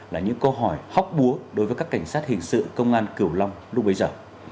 là những câu hỏi hóc búa đối với các cảnh sát hình sự công an cửu long lúc bấy giờ